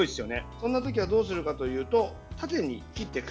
そんなときはどうするかというと縦に切っていく。